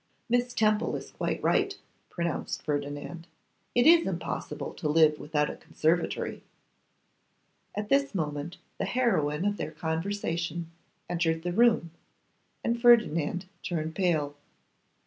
'Miss Temple is quite right,' pronounced Ferdinand. 'It is impossible to live without a conservatory.' At this moment the heroine of their conversation entered the room, and Ferdinand turned pale.